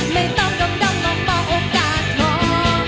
ไม่ต้องดำมองโอกาสทอบ